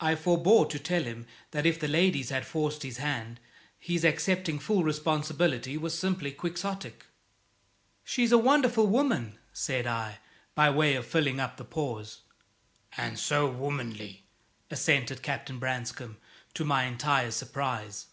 I forbore to tell him that if the ladies had forced his hand his accepting full responsibility was simply quixotic. "She's a wonderful woman," said I, by way of filling up the pause. "And so womanly!" assented Captain Branscome, to my entire surprise.